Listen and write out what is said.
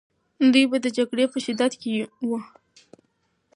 دوی به د جګړې په شدت کې وو.